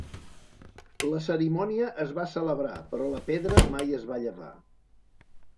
La cerimònia es va celebrar però la pedra mai es va llevar.